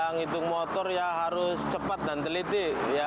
menghitung motor ya harus cepat dan teliti